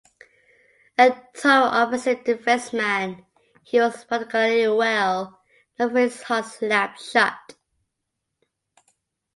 A tough, offensive defenseman, he was particularly well known for his hard slap shot.